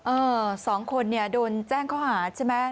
เออสองคนโดนแจ้งข้อหาใช่ไหม